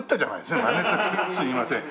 すみません